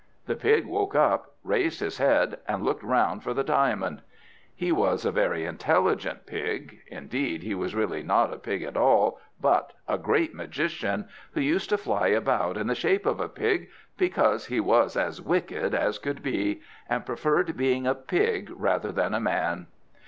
The pig woke up, raised his head, and looked round for the diamond; he was a very intelligent pig, indeed he was really not a pig at all, but a great magician, who used to fly about in the shape of a pig because he was as wicked as could be, and preferred being a pig rather than a man.